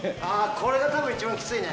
これ、多分一番きついね。